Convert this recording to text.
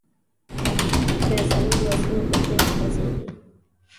د څلورو آسونو پښې وخوځېدې.